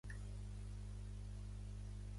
Cal emprendre's ara de destruir la calúmnia.